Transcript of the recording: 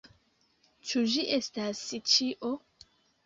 Ĉu ĝi estas ĉio?